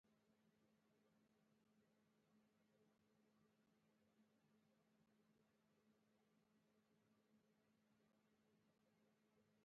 د کارکوونکو مسلکي چلند د بانک پرمختګ ښيي.